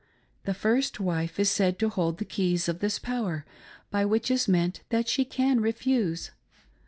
The first wife is said to hold the keys of this power, by which is meant ■that she can refuse.